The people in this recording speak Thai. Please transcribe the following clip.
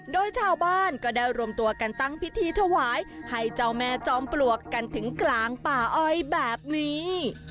โดยชาวบ้านก็ได้รวมตัวกันตั้งพิธีถวายให้เจ้าแม่จอมปลวกกันถึงกลางป่าอ้อยแบบนี้